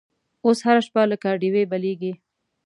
اوس هره شپه لکه ډیوې بلیږې